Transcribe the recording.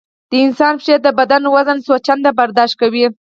د انسان پښې د بدن وزن څو چنده برداشت کوي.